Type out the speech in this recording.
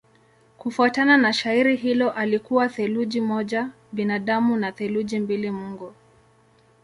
Kufuatana na shairi hilo alikuwa theluthi moja binadamu na theluthi mbili mungu.